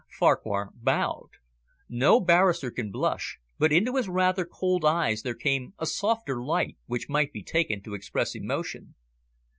Farquhar bowed. No barrister can blush, but into his rather cold eyes there came a softer light which might be taken to express emotion.